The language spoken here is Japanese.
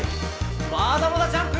まだまだジャンプ！